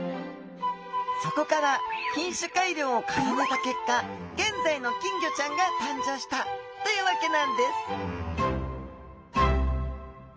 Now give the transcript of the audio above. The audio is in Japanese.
そこから品種改良を重ねた結果現在の金魚ちゃんが誕生したというわけなんです。